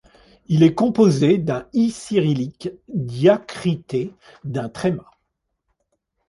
Il est composé d’un i cyrillique diacrité d’un tréma.